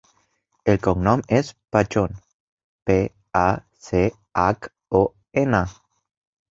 El cognom és Pachon: pe, a, ce, hac, o, ena.